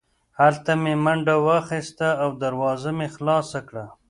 هلته مې منډه واخیسته او دروازه مې خلاصه کړه